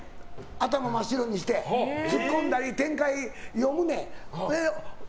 頭を真っ白にしてツッコんだり展開を読むねん。